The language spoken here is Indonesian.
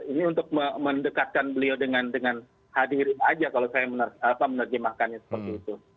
ini untuk mendekatkan beliau dengan hadirin aja kalau saya menerjemahkannya seperti itu